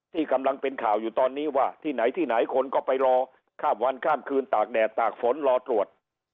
ที่กำลังเป็นข่าวอยู่ตอนนี้ว่าที่ไหนที่ไหนคนก็ไปรอข้ามวันข้ามคืนตากแดดตากฝนรอตรวจ